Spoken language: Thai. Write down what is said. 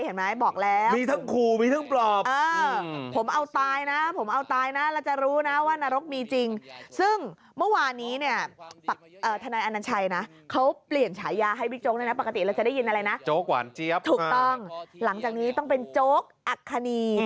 หลังจากนี้ต้องเป็นโจ๊กอัคคณี